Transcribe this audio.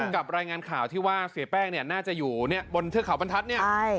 กับรายงานข่าวที่ว่าเสียแป้งน่าจะอยู่บนเทือกขาวบรรทัศน์เนี่ย